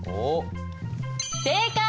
正解！